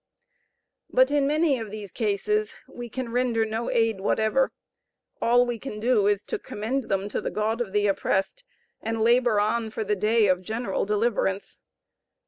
But in many of these cases we can render no aid whatever. All we can do is to commend them to the God of the oppressed, and labor on for the day of general deliverance.